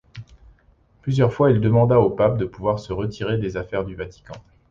Plusieurs fois il demanda au pape de pouvoir se retirer des affaires du Vatican.